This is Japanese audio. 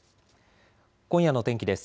今夜の天気です。